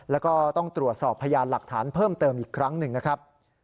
แล้วก็ต้องตรวจสอบพยานหลักฐานเพิ่มเติมอีกครั้งหนึ่งนะครับ